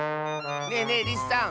ねえねえリスさん